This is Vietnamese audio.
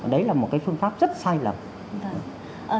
đấy là một cái phương pháp rất sai lầm